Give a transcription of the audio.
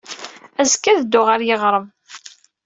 Azekka, ad dduɣ ɣer yiɣrem.